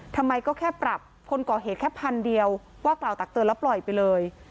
ทำไมก็แค่ปรับคนก่อเหตุแค่พันเดียวว่ากล่าวตักเตือนแล้วปล่อยไปเลย